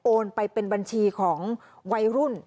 ไปเป็นบัญชีของวัยรุ่น